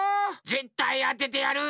ぜったいあててやる！